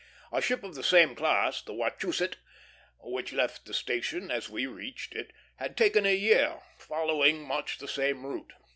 A ship of the same class, the Wachusett, which left the station as we reached it, had taken a year, following much the same route.